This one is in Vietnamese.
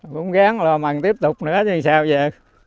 cũng ráng là mằng tiếp tục nữa thế sao vậy